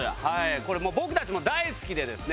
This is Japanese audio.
これもう僕たちも大好きでですね